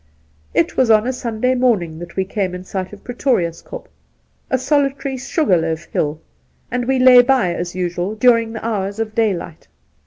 It was on a Sunday morning that we came in sight of Pretorius Kop — a solitary sugar loaf hiU — and we lay by as usual during the hours of day light.